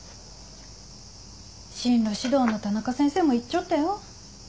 進路指導の田中先生も言っちょったよ。